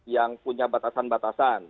yang punya batasan batasan